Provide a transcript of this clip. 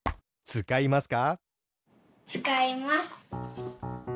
つかいます。